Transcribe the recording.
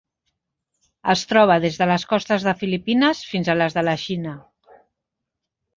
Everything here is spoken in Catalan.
Es troba des de les costes de Filipines fins a les de la Xina.